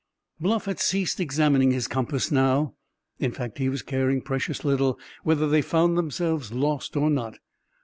Bluff had ceased examining his compass now. In fact, he was caring precious little whether they found themselves lost or not.